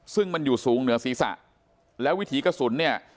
ซึ่งมันอยู่สูงเหนือศีรษะแล้ววิถีกระสุนเนี่ย